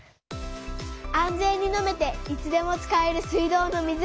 安全に飲めていつでも使える水道の水。